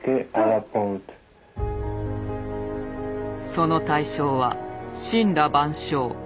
その対象は森羅万象縦横無尽。